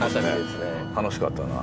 楽しかったな。